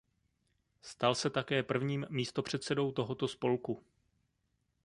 Stal se také prvním místopředsedou tohoto spolku.